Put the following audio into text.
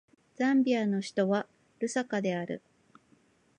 ザンビアの首都はルサカである